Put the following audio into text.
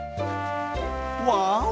わお！